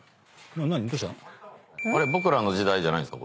『ボクらの時代』じゃないんですか。